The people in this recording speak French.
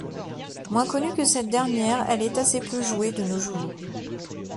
Moins connue que cette dernière, elle est assez peu jouée de nos jours.